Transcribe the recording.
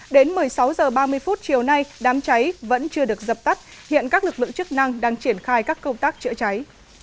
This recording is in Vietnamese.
đến một mươi sáu h ba mươi chiều nay đám cháy vẫn chưa được dập tắt hiện các lực lượng chức năng đang triển khai các công tác chữa cháy